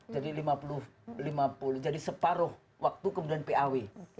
jadi lima puluh lima puluh jadi separuh waktu kemudian paw